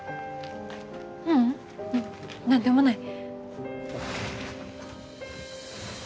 ううん何でもない。